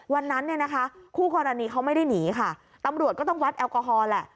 วันนั้นเนี่ยนะคะคู่กรณีเขาไม่ได้หนีค่ะตำรวจก็ต้องวัดแอลกอฮอลแหละ